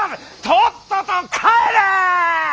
とっとと帰れ！